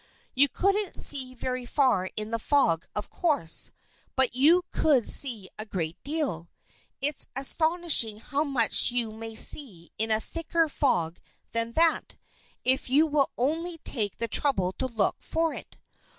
You couldn't see very far in the fog, of course; but you could see a great deal! It's astonishing how much you may see in a thicker fog than that, if you will only take the trouble to look for it.